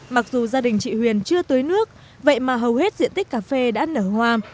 mặc dù gia đình chị huyền chưa tưới nước vậy mà hầu hết diện tích cà phê đã nở hoa